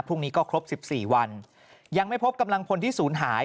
พรุ่งนี้ก็ครบสิบสี่วันยังไม่พบกำลังพลที่ศูนย์หาย